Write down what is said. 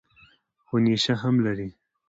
خو نېشه هم لري.